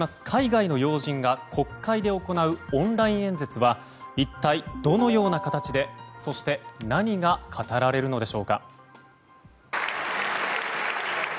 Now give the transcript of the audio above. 海外の要人が国会で行うオンライン演説は一体どのような形で何が語られるのでしょうか。